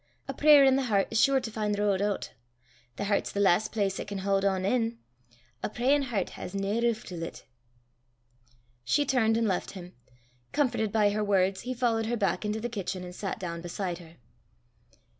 A prayer i' the hert 's sure to fin' the ro'd oot. The hert's the last place 'at can haud ane in. A prayin' hert has nae reef (roof) till 't." She turned and left him. Comforted by her words, he followed her back into the kitchen, and sat down beside her.